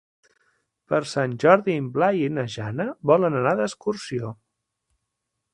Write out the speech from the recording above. Per Sant Jordi en Blai i na Jana volen anar d'excursió.